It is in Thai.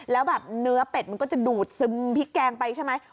แล้วแบบเนื้อเป็ดมันก็จะดูดซึมพริกแกงไปใช่ไหม